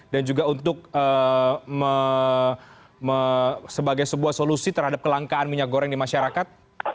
dan juga untuk sebagai sebuah solusi terhadap kelangkaan minyak goreng di masyarakat